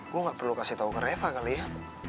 gua gak perlu kasih tau ke reva kali ya